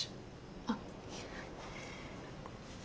あっ。